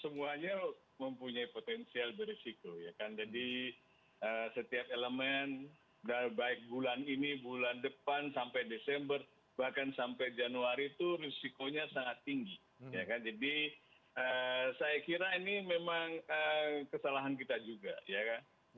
semuanya mempunyai potensial beresiko ya kan jadi setiap elemen baik bulan ini bulan depan sampai desember bahkan sampai januari itu risikonya sangat tinggi ya kan jadi saya kira ini memang kesalahan kita juga ya kan